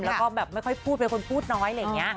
แล้วก็ไม่ค่อยพูดเป็นคนพูดน้อย